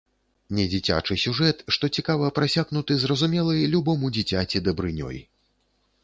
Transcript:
Недзіцячы сюжэт, што цікава, прасякнуты зразумелай любому дзіцяці дабрынёй.